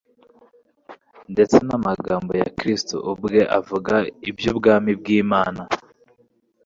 ndetse n’amagambo ya Kristo ubwe avuga iby’Ubwami bw’Imana